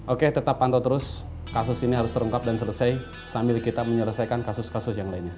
oke tetap pantau terus kasus ini harus terungkap dan selesai sambil kita menyelesaikan kasus kasus yang lainnya